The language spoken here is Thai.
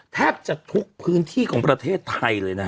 แทบจะทุกพื้นที่ของประเทศไทยเลยนะฮะ